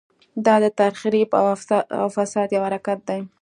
دا د تخریب او فساد یو حرکت دی.